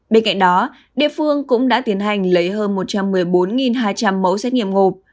bên cạnh đó địa phương cũng đã tiến hành lấy hơn một trăm một mươi bốn hai trăm linh mẫu xét nghiệm gộp